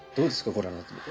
ご覧になってみて。